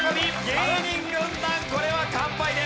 芸人軍団これは完敗です。